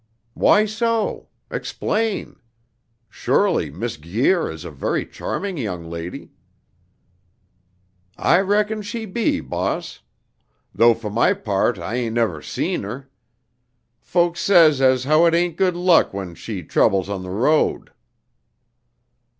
"Why so? Explain. Surely Miss Guir is a very charming young lady." "I reckon she be, boss; dough for my part I ain't nebber seed her. Folks says as how it ain't good luck when she trabels on de road."